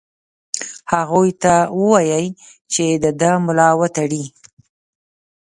هغوی ته ووايی چې د ده ملا وتړي.